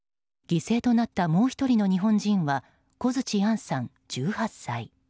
犠牲となったもう１人の日本人は小槌杏さん、１８歳。